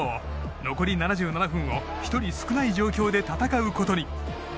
残り７７分を１人少ない状況で戦うことに。